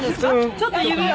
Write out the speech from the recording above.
「ちょっと指輪」